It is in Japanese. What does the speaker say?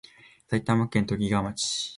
埼玉県ときがわ町